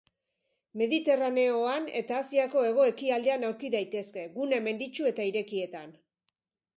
Mediterraneoan eta Asiako hego-ekialdean aurki daitezke, gune menditsu eta irekietan.